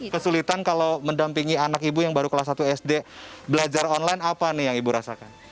kesulitan kalau mendampingi anak ibu yang baru kelas satu sd belajar online apa nih yang ibu rasakan